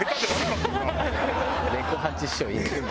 猫八師匠いいの。